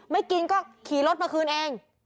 ไม่กินก็ขี่รถมาคืนเอง